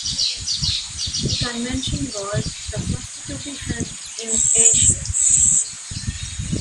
The convention was the first to be held in Asia.